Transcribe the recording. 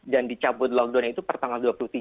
dan dicabut lockdown itu per tanggal dua puluh tiga